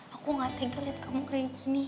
aku gak tenggel liat kamu kayak gini